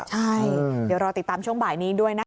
ใช่เดี๋ยวรอติดตามช่วงบ่ายนี้ด้วยนะคะ